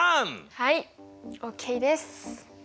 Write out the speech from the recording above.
はいオーケーです。